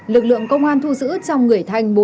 lực lượng công an thu giữ trong người thanh